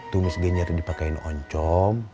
tumis genyar dipakain oncom